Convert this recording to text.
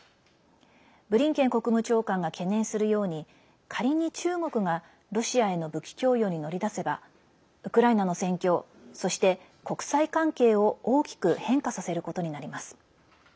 ブリンケン国務長官が懸念するように仮に中国がロシアへの武器供与に乗り出せばウクライナの戦況そして、国際関係を大きく変化させることになります。